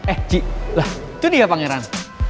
eh ci lah itu dia pangeran